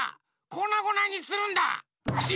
こなごなにするんだ！